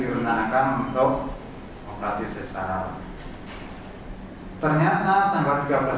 umum penyelenggara di kabupaten r exceptionally técnica sudah bisa pergi